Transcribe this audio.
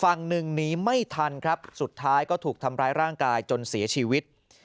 ฝั่งหนึ่งหนีไม่ทันครับสุดท้ายก็ถูกทำร้ายร่างกายจนเสียชีวิต